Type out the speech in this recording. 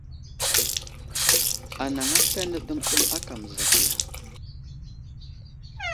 Anaŋ aslane ɗəmɗəm aka məzakiya.